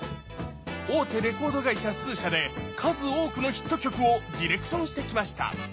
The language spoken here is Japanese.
大手レコード会社数社で数多くのヒット曲をディレクションしてきました。